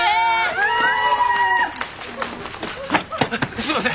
すいません！